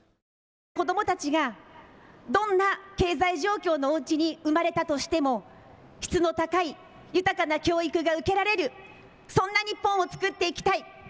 子どもたちが、どんな経済状況のおうちに生まれたとしても、質の高い豊かな教育が受けられる、そんな日本をつくっていきたい。